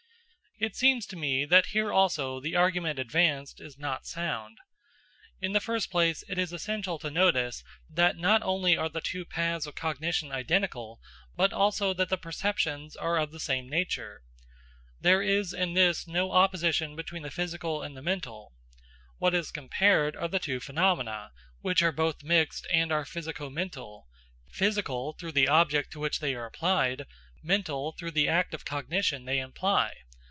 It seems to me that here also the argument advanced is not sound. In the first place, it is essential to notice that not only are the two paths of cognition identical, but also that the perceptions are of the same nature. There is in this no opposition between the physical and the mental. What is compared are the two phenomena, which are both mixed and are physico mental physical, through the object to which they are applied, mental, through the act of cognition they imply.